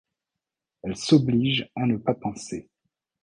Elle s'oblige à ne pas penser.